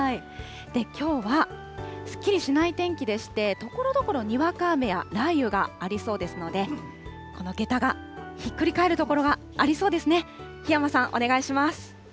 きょうはすっきりしない天気でして、ところどころにわか雨や雷雨がありそうですので、この下駄がひっくり返るところがありそうですね。